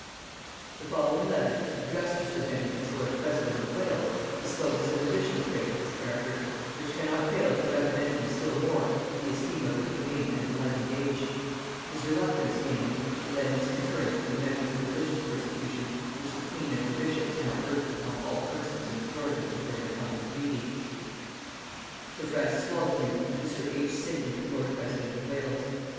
The following letter, addressed to sir Henry as lord president of Wales, discloses an additional trait of his character, which cannot fail to recommend him still more to the esteem of a humane and enlightened age; his reluctance, namely, to lend his concurrence to the measures of religious persecution which the queen and her bishops now urged upon all persons in authority as their incumbent duty. Sir Francis Walsingham to sir H. Sidney lord president of Wales.